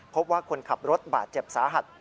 พบว่าคนขับรถบาดเจ็บสาหัส